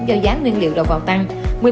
do giá nguyên liệu đầu vào tăng